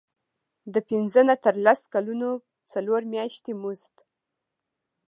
د پنځه نه تر لس کلونو څلور میاشتې مزد.